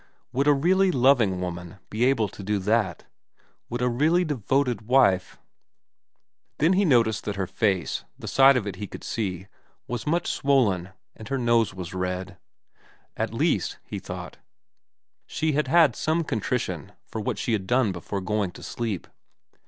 Would a really loving woman be able to do that ? Would a really devoted wife ? Then he noticed that her face, the side of it he could see, was much swollen, and her nose was red. At least, he thought, she had had some contrition for what she had done before going to sleep.